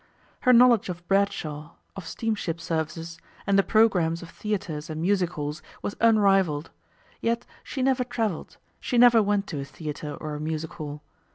Her knowledge of Bradshaw, of steamship services, and the programmes of theatres and music halls was unrivalled; yet she never travelled, she never went to a theatre or a music hall.